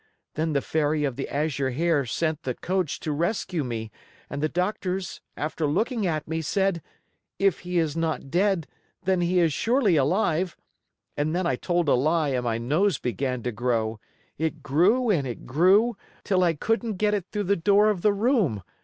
Then the Fairy of the Azure Hair sent the coach to rescue me and the doctors, after looking at me, said, 'If he is not dead, then he is surely alive,' and then I told a lie and my nose began to grow. It grew and it grew, till I couldn't get it through the door of the room.